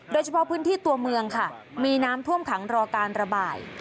โดยเฉพาะพื้นที่ตัวเมืองค่ะมีน้ำท่วมขังรอการระบาย